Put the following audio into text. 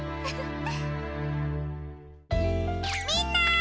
みんな！